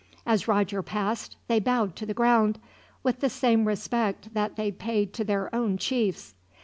As Roger passed they bowed to the ground, with the same respect that they paid to their own chiefs.